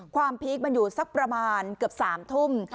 พีคมันอยู่สักประมาณเกือบ๓ทุ่ม